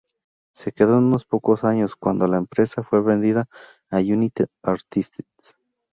Se quedó en unos pocos años, cuando la empresa fue vendida a United Artists.